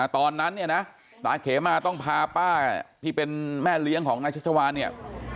ตอนนั้นเนี่ยนะตาเขมาต้องพาป้าที่เป็นแม่เลี้ยงของนายชัชวานเนี่ย